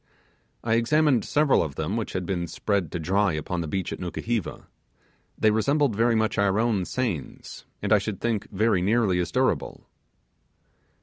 I examined several of them which had been spread to dry upon the beach at Nukuheva. They resemble very much our own seines, and I should think they were nearly as durable.